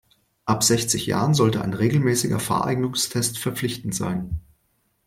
Ab sechzig Jahren sollte ein regelmäßiger Fahreignungstest verpflichtend sein.